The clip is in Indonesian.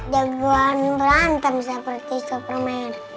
jagoan berantem seperti superman